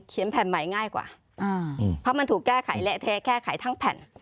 แผ่นใหม่ง่ายกว่าเพราะมันถูกแก้ไขเละเทะแก้ไขทั้งแผ่น